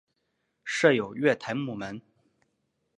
设有月台幕门。